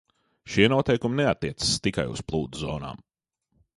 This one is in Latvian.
Šie noteikumi neattiecas tikai uz plūdu zonām.